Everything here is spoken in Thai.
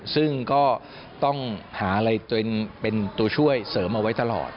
ซึ่งก็ต้องหาอะไรตัวเองเป็นตัวช่วยเสริมเอาไว้ตลอด